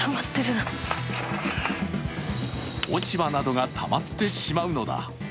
落ち葉などがたまってしまうのだ。